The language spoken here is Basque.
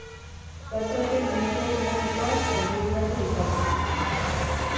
WhatsApp-en mezu automatikoak konfiguratu ditzakezu.